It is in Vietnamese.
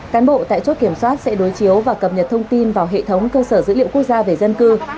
cán bộ tại chốt kiểm soát sẽ đối chiếu và cập nhật thông tin vào hệ thống cơ sở dữ liệu quốc gia về dân cư